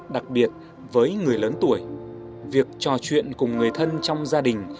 đặc biệt với người lớn tuổi việc trò chuyện cùng người thân trong gia đình